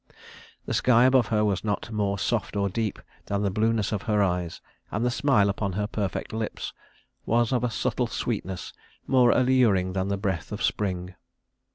The sky above her was not more soft or deep than the blueness of her eyes, and the smile upon her perfect lips was of a subtle sweetness more alluring than the breath of spring.